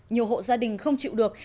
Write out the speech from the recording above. nhiều hộ gia đình không chịu được